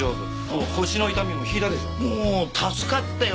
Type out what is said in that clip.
もう助かったよ。